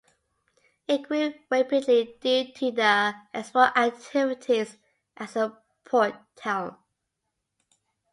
It grew rapidly due to the export activities as a port town.